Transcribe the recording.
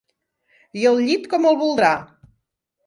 I el llit com el voldrà?